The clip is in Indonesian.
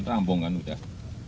rampung kan udah